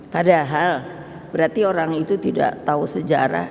padahal berarti orang itu tidak tahu sejarah